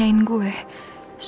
soal kejadian saat roy terbunuh